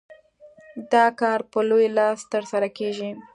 دا کار په لوی لاس ترسره کېږي.